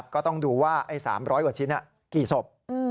ก็ต้องดูว่า๓๐๐กว่าชิ้นกี่ศพ